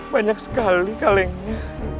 banyak sekali kalengnya